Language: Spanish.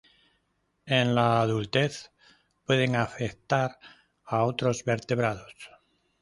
En la adultez, pueden afectar a otros vertebrados.